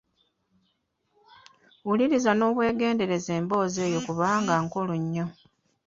Wuliriza n'obwegendereza emboozi eyo kuba nkulu nnyo.